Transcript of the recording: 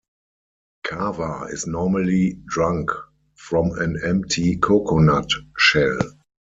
Kava is normally drunk from an empty coconut shell.